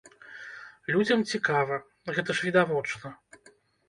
Людзям цікава, гэта ж відавочна.